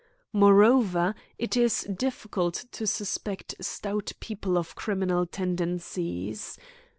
Moreover, it is difficult to suspect stout people of criminal tendencies.